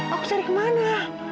aku cari kemana